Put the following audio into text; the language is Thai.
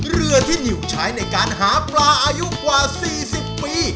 เรือที่นิวใช้ในการหาปลาอายุกว่า๔๐ปี